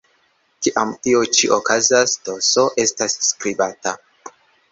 Kiam tio ĉi okazas, "ts" estas skribata.